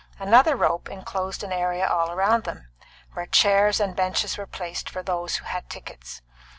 Another rope enclosed an area all round them, where chairs and benches were placed for those who had tickets.